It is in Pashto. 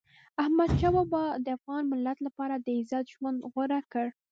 احمدشاه بابا د افغان ملت لپاره د عزت ژوند غوره کړ.